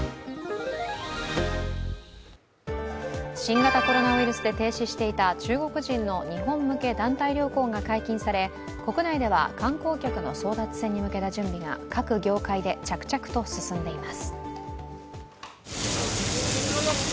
新型コロナウイルスで停止していた中国人の日本向け団体旅行が解禁され国内では観光客の争奪戦に向けた準備が各業界で着々と進んでいます。